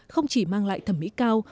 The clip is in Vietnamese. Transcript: không chỉ mang lại thẩm mỹ cao